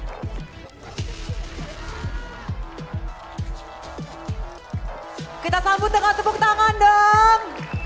hai kita sambut dengan tepuk tangan dem